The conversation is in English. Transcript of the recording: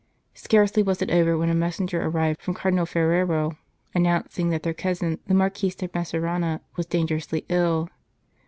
Scarcely was it over, when a messenger arrived from Cardinal Ferrero, announcing that their cousin, the Marquis de Messerano, was dangerously ill.